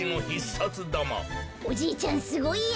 おじいちゃんすごいや。